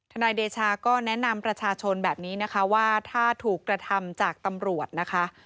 นายเดชาก็แนะนำประชาชนแบบนี้นะคะว่าถ้าถูกกระทำจากตำรวจนะคะ